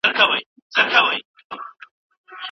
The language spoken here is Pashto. که تاریخ نه پېژنې نو غلطۍ به وکړی.